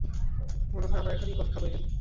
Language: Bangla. মনে হয় আমরা এখানেই কফি খাব, এমিল।